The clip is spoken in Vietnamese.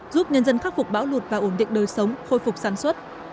giúp nhân dân khắc phục bão lụt và ổn định đời sống khôi phục sản xuất